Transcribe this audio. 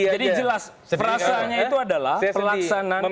jadi jelas perasaannya itu adalah pelaksanaan undang undang